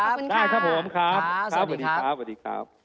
ได้ครับผมครับครับสวัสดีครับสวัสดีครับสวัสดีครับสวัสดีครับ